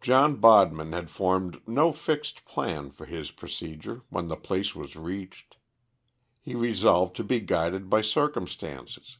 John Bodman had formed no fixed plan for his procedure when the place was reached. He resolved to be guided by circumstances.